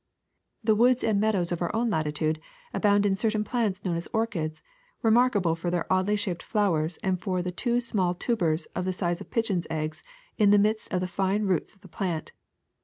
^^The woods and meadows of our own latitude abound in certain plants known as orchids, remarkable for their oddly shaped flowers and for the two small tubers of the size of pigeons' eggs in the midst of the fine roots of the plant.